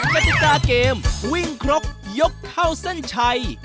กติกาเกมวิ่งครกยกเข้าเส้นชัย